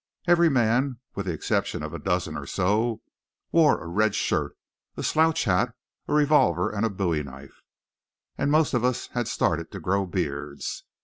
Every man, with the exception of a dozen or so, wore a red shirt, a slouch hat, a revolver and a bowie knife; and most of us had started to grow beards.